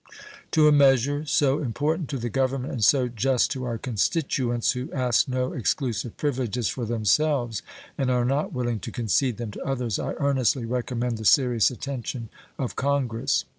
To a measure so important to the Government and so just to our constituents, who ask no exclusive privileges for themselves and are not willing to concede them to others, I earnestly recommend the serious attention of Congress.